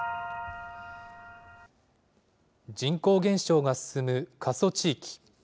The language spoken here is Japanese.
人口減少が進む過疎地域。